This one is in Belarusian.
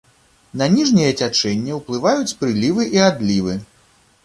На ніжняе цячэнне ўплываюць прылівы і адлівы.